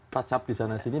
touch up disana sini